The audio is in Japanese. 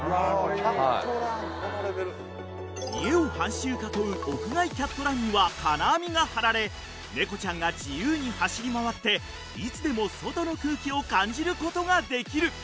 ［家を半周囲う屋外キャットランには金網が張られ猫ちゃんが自由に走り回っていつでも外の空気を感じることができる。